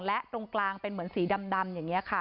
และตรงกลางเป็นเหมือนสีดำอย่างนี้ค่ะ